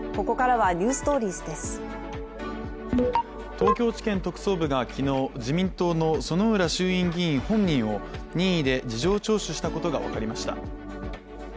東京地検特捜部が昨日自民党の薗浦衆院議員本人を任意で事情聴取したことが分かりました。